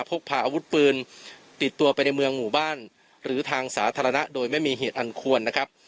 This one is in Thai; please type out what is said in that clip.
พกพาอาวุธปืนติดตัวไปในเมืองหมู่บ้านหรือทางสาธารณะโดยไม่มีเหตุอันควรนะครับ